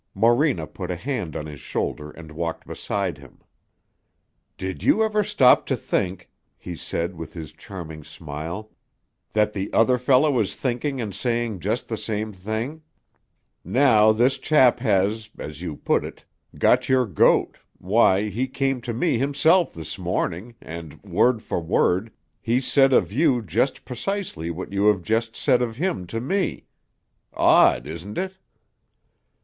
Morena put a hand on his shoulder and walked beside him. "Did you ever stop to think," he said with his charming smile, "that the other fellow is thinking and saying just the same thing? Now, this chap that has, as you put it, got your goat, why, he came to me himself this morning, and, word for word, he said of you just precisely what you have just said of him to me. Odd, isn't it?"